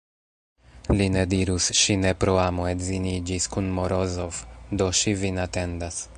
Li ne dirus: "ŝi ne pro amo edziniĝis kun Morozov, do ŝi vin atendas".